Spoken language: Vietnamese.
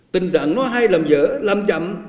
tình trạng nó hay làm dở làm chậm